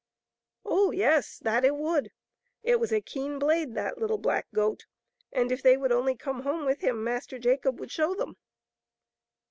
Oh, yes ; that it would. It was a keen blade, that little black goat, and if they would only come home with him. Master Jacob would show them.